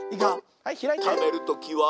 「たべるときは」